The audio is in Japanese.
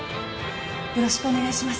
よろしくお願いします